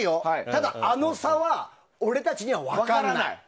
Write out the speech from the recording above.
ただ、あの差は俺たちには分からない。